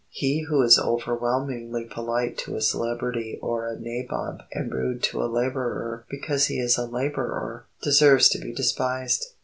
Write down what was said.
He who is overwhelmingly polite to a celebrity or a nabob and rude to a laborer because he is a laborer deserves to be despised.